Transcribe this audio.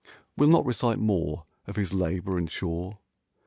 We'll not recite more of his labor and chore.